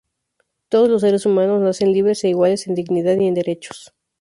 Todos los seres humanos nacen libres e iguales en dignidad y en derechos.